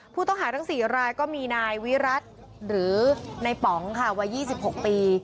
ผู้ต้องหาทั้ง๔รายก็มีนายวิรัติหรือในป๋องค่ะวัย๒๖ปี